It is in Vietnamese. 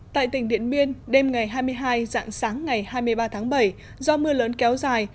tại tỉnh điện biên đêm ngày hai mươi hai dạng sáng ngày hai mươi ba tháng bảy do mưa lớn kéo dài